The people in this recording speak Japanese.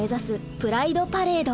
プライドパレード。